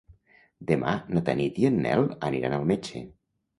Demà na Tanit i en Nel aniran al metge.